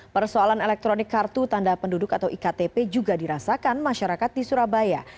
persoalan elektronik kartu tanda penduduk atau iktp juga dirasakan masyarakat di surabaya